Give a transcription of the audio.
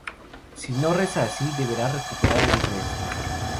Si no reza así, deberá recuperar el Rezo.